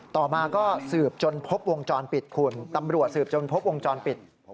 ต่อมาก็สืบจนพบวงจรปิดคุณตำรวจสืบจนพบวงจรปิด